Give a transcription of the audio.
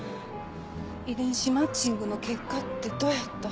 遺伝子マッチングの結果ってどうやった？